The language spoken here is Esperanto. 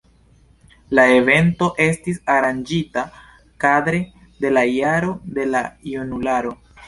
La evento estis aranĝita kadre de la Jaro de la Junularo.